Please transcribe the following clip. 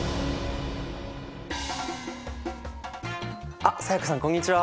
あっ才加さんこんにちは。